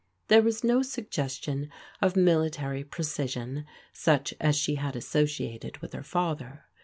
There was no suggestion of mili tary precision such as she had associated with her father.